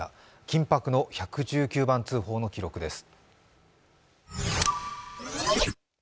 緊迫の１１９番通報の記録です。